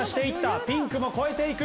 ピンクも越えていく。